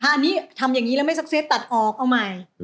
ถ้าอันนี้ทำอย่างงี้นะไม่สักเสร็จตัดออกเอาใหม่